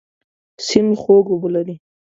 سیند خوږ اوبه لري.